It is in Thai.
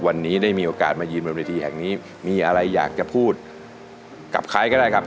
วันนี้ได้มีโอกาสมายืนบนเวทีแห่งนี้มีอะไรอยากจะพูดกับใครก็ได้ครับ